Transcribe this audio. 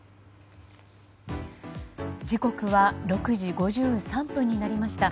時刻は６時５３分になりました。